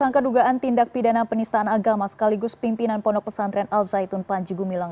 sangka dugaan tindak pidana penistaan agama sekaligus pimpinan pondok pesantren al zaitun panjigu milang